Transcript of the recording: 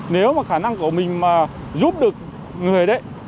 nếu mà khả năng của mình mà giúp được người đấy